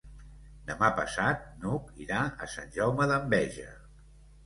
Demà passat n'Hug irà a Sant Jaume d'Enveja.